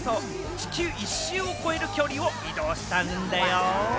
地球一周を超える距離を移動したんですよ。